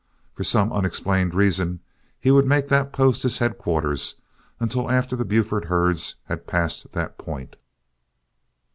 For some unexplained reason he would make that post his headquarters until after the Buford herds had passed that point.